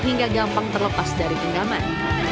hingga gampang terlepas dari genggaman